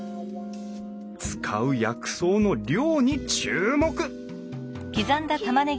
使う薬草の量に注目！